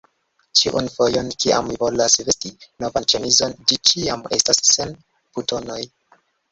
ĉiun fojon, kiam mi volas vesti novan ĉemizon, ĝi ĉiam estas sen butonoj!